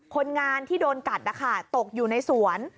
คนงานที่โดนกัดนะคะตกอยู่ในสวน